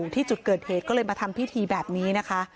ที่จุดเกิดเหตุก็เลยมาทำพิธีแบบนี้นะคะ